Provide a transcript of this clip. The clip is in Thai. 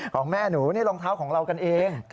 ของแม่หนูนี่รองเท้าของเรากันเอง